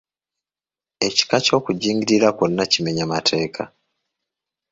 Ekika ky'okujingirira kwonna kimenya mateeka.